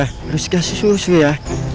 harus kasih susu ya